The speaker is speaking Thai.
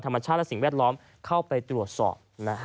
ธรรมชาติและวัดร้องเข้าไปตรวจสอบ